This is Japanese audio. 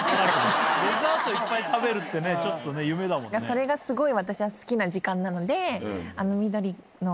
それがすごい私は好きな時間なので。